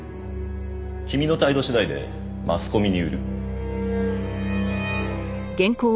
君の態度次第でマスコミに売る。